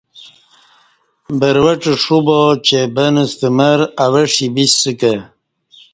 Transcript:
بروڄ ݜو با چہ بن ستہ مر اوہ ݜی ب سہ کہ